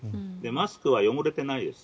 マスクは汚れてないです。